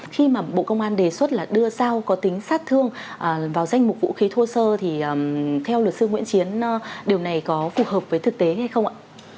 khi mà bộ công an đề xuất là đưa sao có tính sát thương vào danh mục vũ khí thô sơ thì theo luật sư nguyễn chiến điều này có phù hợp với thực tế hay không ạ